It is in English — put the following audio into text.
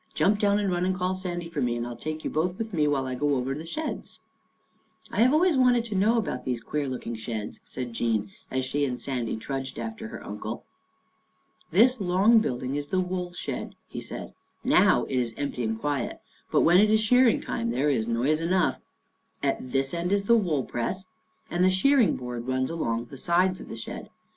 Jump down and run and call Sandy for me and I'll take you both with me while I go over the sheds." " I've always wanted to know about these queer looking sheds," said Jean as she and Sandy trudged after her uncle. " This long building is the wool shed," he said. " Now it is empty and quiet, but when it is shearing time there is noise enough. At this end is the wool press, and the shearing board runs along the sides of the shed.